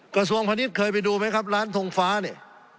กระทรวงพาณิชย์เคยไปดูไหมครับร้านทงฟ้าเนี่ย